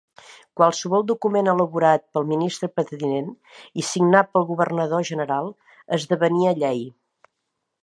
Qualsevol document elaborat pel ministre pertinent i signat pel governador general esdevenia llei.